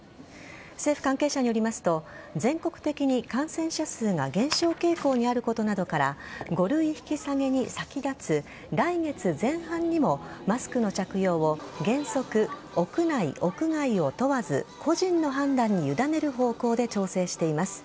政府関係者によりますと全国的に感染者数が減少傾向にあることなどから５類引き下げに先立つ来月前半にもマスクの着用を原則屋内、屋外を問わず個人の判断に委ねる方向で調整しています。